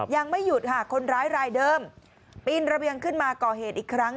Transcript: ยังไม่หยุดค่ะคนร้ายรายเดิมปีนระเบียงขึ้นมาก่อเหตุอีกครั้ง